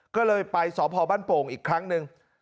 ก็เลยไปสพบ้านโป่งอีกครั้งหนึ่ง